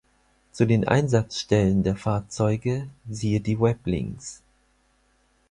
Zu den Einsatzstellen der Fahrzeuge siehe die Weblinks.